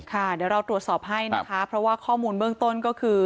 ค่ะเดี๋ยวเราตรวจสอบให้นะคะเพราะว่าข้อมูลเบื้องต้นก็คือ